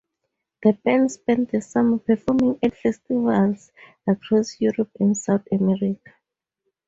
The band spent the summer performing at festivals across Europe and South America.